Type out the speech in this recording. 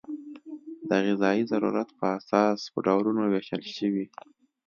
د غذایي ضرورت په اساس په ډولونو وېشل شوي.